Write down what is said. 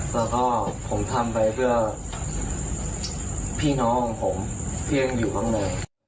แล้วก็ผมทำไปเพื่อพี่น้องของผมที่ยังอยู่ข้างใน